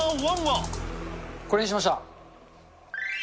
これにしました。